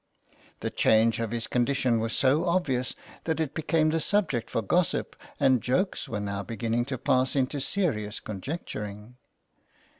The change of his condition was so obvious that it became the subject for gossip, and jokes were now beginning to pass into serious conjecturing.